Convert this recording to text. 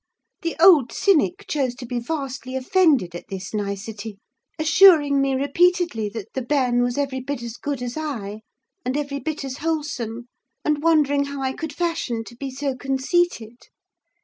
The old cynic chose to be vastly offended at this nicety; assuring me, repeatedly, that "the barn was every bit as good" as I, "and every bit as wollsome," and wondering how I could fashion to be so conceited.